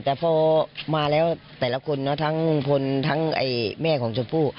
แต่พอมาแล้วแต่ละคนนะทั้งลุงพลทั้งแม่ของชมพู่